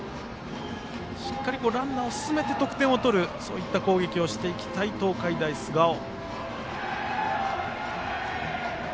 しっかりランナーを進めて得点を取るそういった攻撃をしていきたい東海大菅生。